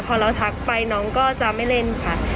พอเราทักไปน้องก็จะไม่เล่นค่ะ